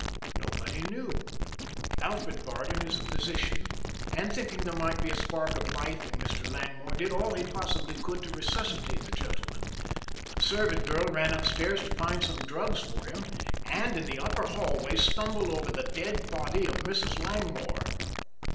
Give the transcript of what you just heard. "Nobody knew. Alfred Bardon is a physician, and, thinking there might still be a spark of life in Mr. Langmore, did all he possibly could to resuscitate the gentleman. The servant girl ran upstairs to find some drugs for him and in the upper hallway stumbled over the dead body of Mrs. Langmore."